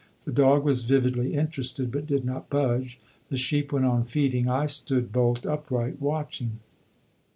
The dog was vividly interested, but did not budge; the sheep went on feeding; I stood bolt upright, watching.